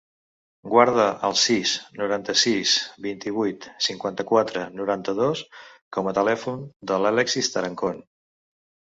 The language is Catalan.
Guarda el sis, noranta-sis, vint-i-vuit, cinquanta-quatre, noranta-dos com a telèfon de l'Alexis Tarancon.